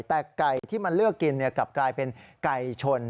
แต่ไก่ที่มันเลือกกินกลับกลายเป็นไก่ชน